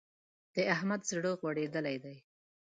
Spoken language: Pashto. د احمد زړه غوړېدل دی.